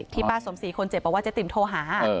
ป้าสมศรีคนเจ็บบอกว่าเจ๊ติ๋มโทรหา